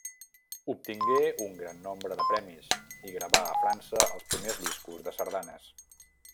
Obtingué un gran nombre de premis i gravà a França els primers discos de sardanes.